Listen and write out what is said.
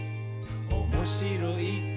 「おもしろい？